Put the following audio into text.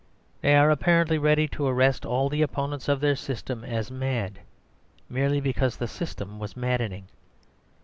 They are apparently ready to arrest all the opponents of their system as mad, merely because the system was maddening.